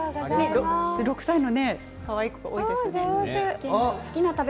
６歳の子かわいいですね。